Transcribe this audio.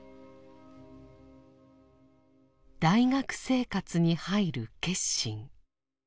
「大学生活に入る決心」。